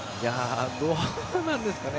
どうなんですかね。